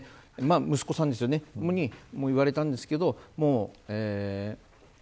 息子さんですよねに言われたんですけど。